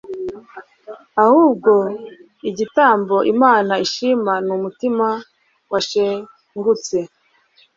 ahubwo igitambo imana ishima, ni umutima washengutse